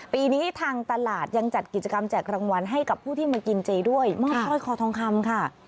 ปีนี้ทางตลาดยังจัดกิจกรรมแจกรางวัลให้กับผู้ที่มากินเจด้วยมอบสร้อยคอทองคำค่ะ